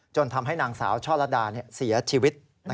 ทำให้นางสาวช่อระดาเสียชีวิต